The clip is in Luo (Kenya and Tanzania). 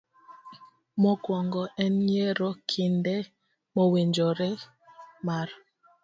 Mokwongo, en yiero kinde mowinjore mar